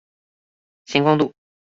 新光路